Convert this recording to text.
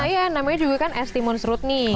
iya namanya juga kan es timun serut nih